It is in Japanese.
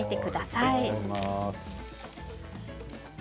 いただきます。